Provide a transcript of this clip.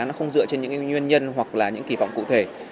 nó không dựa trên những nguyên nhân hoặc là những kỳ vọng cụ thể